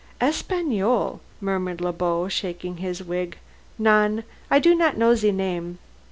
"Espagnole," murmured Le Beau, shaking his wig. "Non. I do not know ze name.